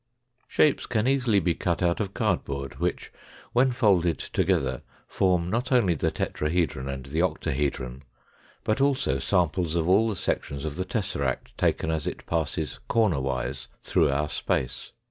Shapes can easily be cut out of cardboard which, when folded together, form not only the tetrahedron and the octohedron, but also samples of all the sections of the tesseract taken as it passes cornerwise through our space.